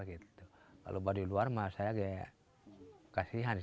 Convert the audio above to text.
kalau baduy luar saya kasihan